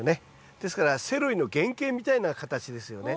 ですからセロリの原形みたいな形ですよね。